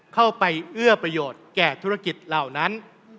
เอื้อประโยชน์แก่ธุรกิจเหล่านั้น